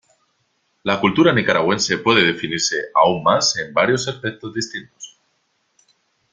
La cultura nicaragüense puede definirse aún más en varios aspectos distintos.